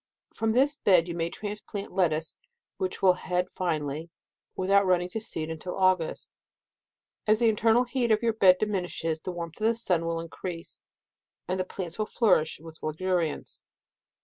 From this bed you may transplant lettuce, which will head finely, without running to seed until August. As the internal heat of your bed diminishes, the warmth of the sun will increase, and the plants will flourish with luxuriance.